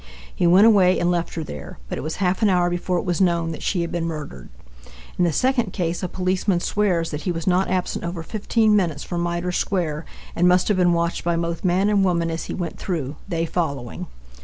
He went away and left her there, but it was half an hour before it was known that she had been murdered. In the second case a policeman swears that he was not absent over 15 minutes from Mitre square, and must have been watched by both man and woman as he went through, they following.